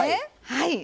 はい。